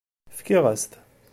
Fkiɣ-as-t.